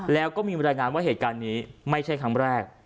แล้วก็มีบรรยายงานว่าเหตุการณ์นี้ไม่ใช่ครั้งแรก